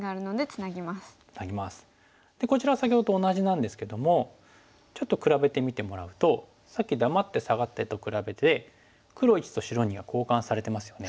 こちらは先ほどと同じなんですけどもちょっと比べてみてもらうとさっき黙ってサガってと比べて黒①と白②が交換されてますよね。